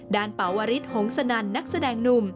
ด้านเปาวริตหงษ์สนานนักแสดงหนุ่ม